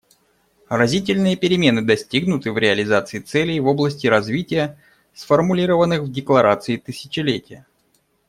Разительные перемены достигнуты в реализации целей в области развития, сформулированных в Декларации тысячелетия.